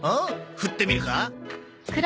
振ってみるか？